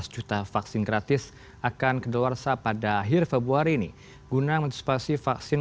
juta vaksin gratis akan kedalawarsa pada akhir februari ini guna mensupasi vaksin